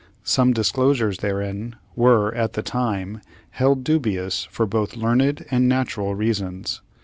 Some disclosures therein were, at the time, held dubious for both learned and natural reasons.